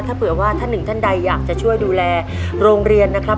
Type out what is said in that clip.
ถ้าเผื่อว่าท่านหนึ่งท่านใดอยากจะช่วยดูแลโรงเรียนนะครับ